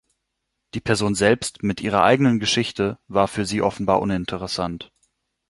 Die Person selbst, mit ihrer eigenen Geschichte, war für sie offenbar uninteressant.